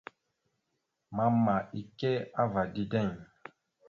Mama ike ava dideŋ.